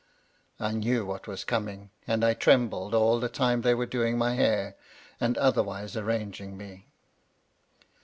" I knew what was coming, and I trembled all the time they were doing my hair, and otherwise arranging me.